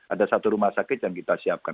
ada satu rumah sakit yang kita siapkan